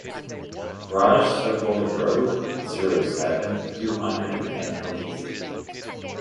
Rochessauve road, zero seven, two hundred and ten Alissas